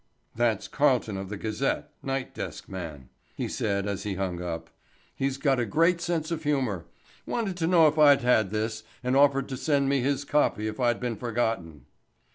"That's Carlton of the Gazette—night desk man," he said as he hung up. "He's got a great sense of humor. Wanted to know if I'd had this and offered to send me his copy if I'd been forgotten."